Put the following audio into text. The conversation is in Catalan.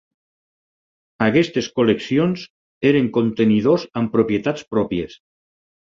Aquestes col·leccions eren contenidors amb propietats pròpies.